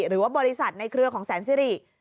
หรือว่าบริษัทในเครือของแสนสิริ